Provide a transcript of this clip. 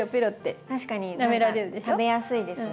何か食べやすいですね。